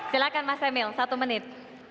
silahkan mas emil satu menit